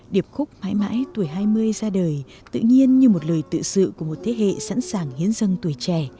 điệp khúc mãi mãi tuổi hai mươi ra đời tự nhiên như một lời tự sự của một thế hệ sẵn sàng hiến dâng tuổi trẻ